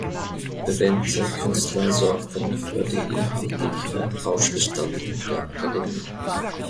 Bewährte Künstler sorgten für die inhaltliche Ausgestaltung der Akademie.